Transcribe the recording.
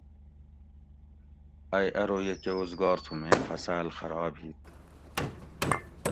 ائ ارو یہ کہ اوزگار تھو میں فصال خراب ھیت